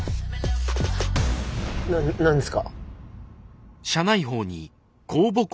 な何ですか？